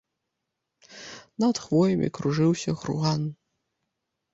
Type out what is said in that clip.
Над хвоямі кружыўся груган.